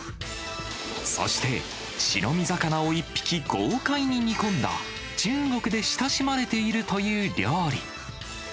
そして、白身魚を１匹豪快に煮込んだ、中国で親しまれているという料理。